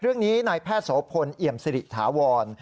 เรื่องนี้นายแพทย์โสพลเอี่ยมสิริถาวร